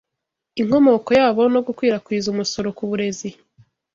inkomoko yabo nogukwirakwiza Umusoro ku burezi